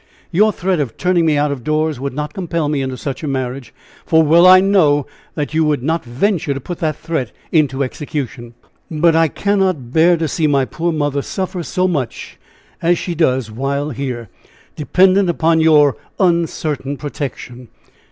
Your threat of turning me out of doors would not compel me into such a marriage, for well I know that you would not venture to put that threat into execution. But I cannot bear to see my poor mother suffer so much as she does while here, dependent upon your uncertain protection.